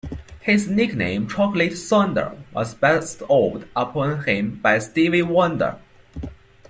His nickname, "Chocolate Thunder", was bestowed upon him by Stevie Wonder.